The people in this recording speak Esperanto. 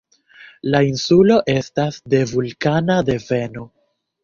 La insulo estas de vulkana deveno.